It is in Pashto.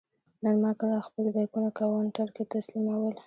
نن ما کله خپل بېکونه کاونټر کې تسلیمول.